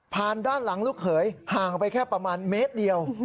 ด้านหลังลูกเขยห่างไปแค่ประมาณเมตรเดียว